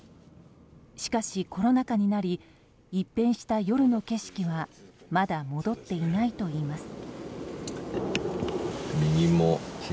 しかし、コロナ禍になり一変した夜の景色はまだ戻っていないといいます。